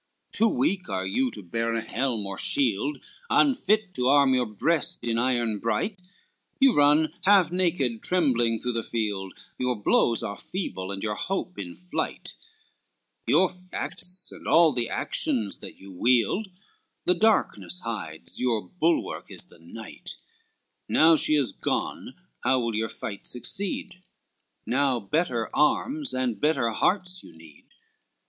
LXXVII "Too weak are you to bear a helm or shield Unfit to arm your breast in iron bright, You run half naked trembling through the field, Your blows are feeble, and your hope in flight, Your facts and all the actions that you wield, The darkness hides, your bulwark is the night, Now she is gone, how will your fights succeed? Now better arms and better hearts you need."